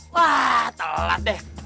wah telat deh